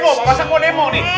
mau masak mau demo nih